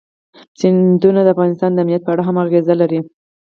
سیندونه د افغانستان د امنیت په اړه هم اغېز لري.